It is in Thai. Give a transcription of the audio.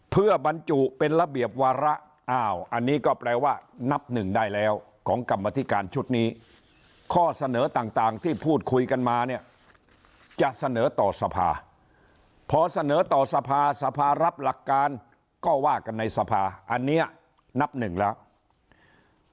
เพื่อบรรจุเป็นระเบียบวาระอ้าวอันนี้ก็แปลว่านับหนึ่งได้แล้วของกรรมธิการชุดนี้ข้อเสนอต่างที่พูดคุยกันมาเนี่ยจะเสนอต่อสภาพพอเสนอต่อสภาสภารับหลักการก็ว่ากันในสภาอันนี้นับหนึ่งแล้ว